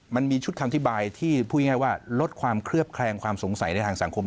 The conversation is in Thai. มันมีชุดคำอธิบายที่พูดง่ายว่าลดความเคลือบแคลงความสงสัยในทางสังคม